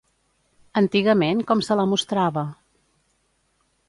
Antigament, com se la mostrava?